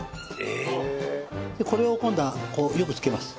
えっ？これを今度はこうよくつけます。